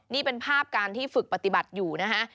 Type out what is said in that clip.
นี่เป็นภาพการที่ฝึกปฏิบัติอยู่นะฮะ